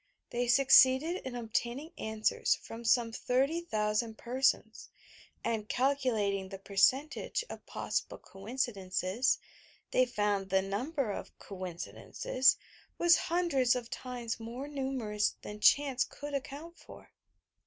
They succeeded in obtain ing answers from some 30,000 persons, and, calculating the percentage of possible coincidences, they found that the number of "coincidences" was hundreds of times more numerous than chance could account for.